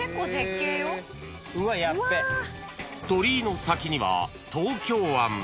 ［鳥居の先には東京湾］